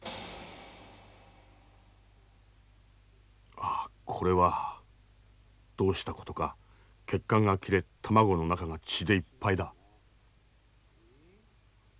ああこれはどうしたことか血管が切れ卵の中が血でいっぱいだ。